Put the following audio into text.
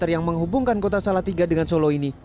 yang menghubungkan kota salatiga dengan solo ini